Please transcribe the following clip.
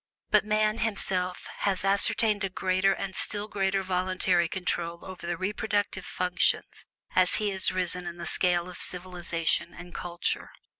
but man, himself, has asserted a greater and still greater voluntary control over the reproductive functions as he has risen in the scale of civilization and culture.